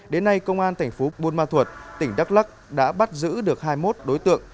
đến nay công an tp buôn ma thuật tỉnh đắk lắc đã bắt giữ được hai mươi một đối tượng